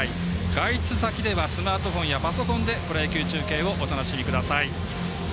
外出先ではスマートフォンやパソコンでプロ野球中継をお楽しみください。